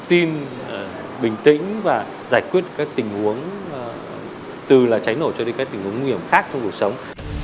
tự tin bình tĩnh và giải quyết các tình huống từ cháy nổ cho đến các tình huống nguy hiểm khác trong cuộc sống